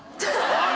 おい